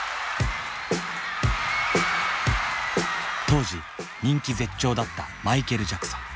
当時人気絶頂だったマイケル・ジャクソン。